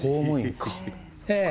ええ。